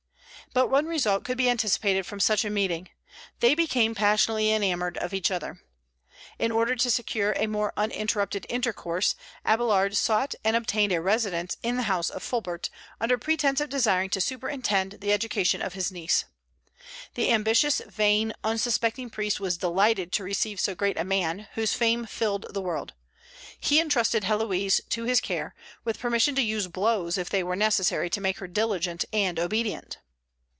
But one result could be anticipated from such a meeting: they became passionately enamored of each other. In order to secure a more uninterrupted intercourse, Abélard sought and obtained a residence in the house of Fulbert, under pretence of desiring to superintend the education of his niece. The ambitious, vain, unsuspecting priest was delighted to receive so great a man, whose fame filled the world. He intrusted Héloïse to his care, with permission to use blows if they were necessary to make her diligent and obedient!